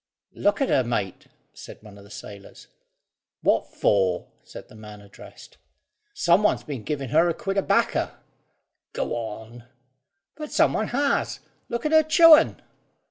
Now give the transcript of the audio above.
"Look at her, mate," said one of the sailors. "What for?" said the man addressed. "Some one's been giving her a quid o' bacca." "Go on." "But some one has. Look at her chewing."